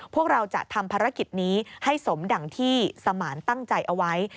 พวกเราจะทำภารกิจนี้ให้สมดังที่สมานตั้งใจเอาไว้